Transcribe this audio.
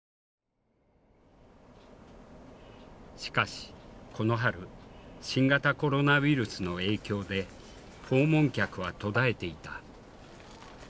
しかしこの春新型コロナウイルスの影響で訪問客は途絶えていた。